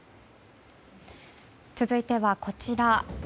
続いては、こちら。